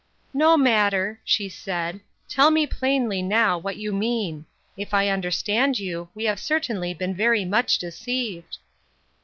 "No matter," she said, "tell me plainly now, what you mean ; if I understand you, we have cer tainly been very much deceived."